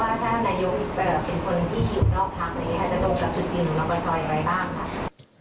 ว่าถ้านายกอีกแบบเป็นคนที่อยู่นอกพักษณ์จะตกกับชุดกินนอกพักษณ์อะไรบ้างครับ